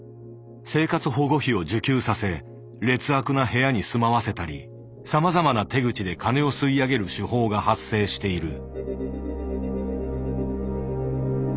生活保護費を受給させ劣悪な部屋に住まわせたりさまざまな手口で金を吸い上げる手法が発生している。